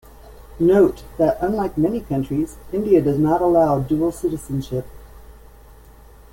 Note that unlike many countries, India does not allow dual citizenship.